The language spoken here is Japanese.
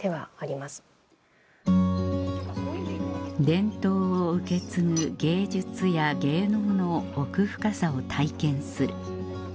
伝統を受け継ぐ芸術や芸能の奥深さを体験する